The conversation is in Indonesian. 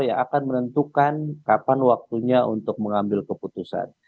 yang akan menentukan kapan waktunya untuk mengambil keputusan